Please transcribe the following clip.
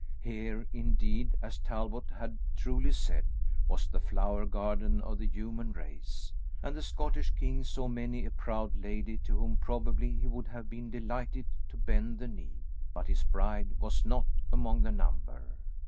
Here indeed, as Talbot had truly said, was the flower garden of the human race; and the Scottish king saw many a proud lady to whom probably he would have been delighted to bend the knee. But his bride was not among the number.